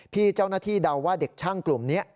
พี่เจ้าหน้าที่เดาว่าเด็กช่างกลุ่มนี้